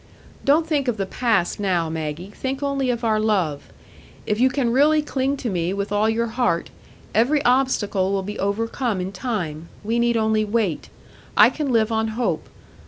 "Don't think of the past now, Maggie; think only of our love. If you can really cling to me with all your heart, every obstacle will be overcome in time; we need only wait. I can live on hope.